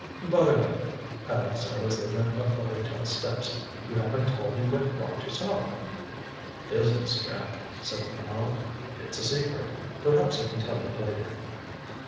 "By the way," Paddock said as they went up the hotel steps, "you haven't told me what brought you south?" "Business, Jack," said Minot. "It's a secret perhaps I can tell you later."